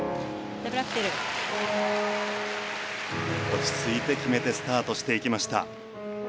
落ち着いて決めてスタートしていきました。